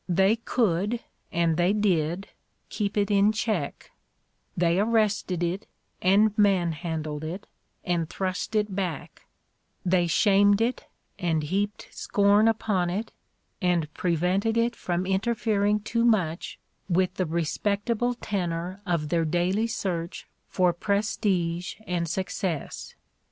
They could, and they did, keep it in check; they arrested it and manhandled it and thrust it back; they shamed it and heaped scorn upon it and prevented it from interfering too much with the respectable tenor of their daily search for prestige and success.